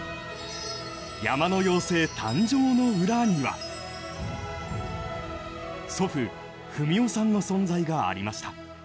山の妖精誕生の裏には祖父・文雄さんの存在がありました。